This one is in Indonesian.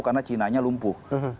karena chinanya lumpuh